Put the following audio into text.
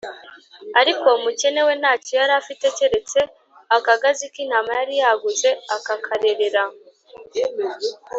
Ariko uwo mukene we nta cyo yari afite keretse akāgazi k’intama yari yaguze akakarera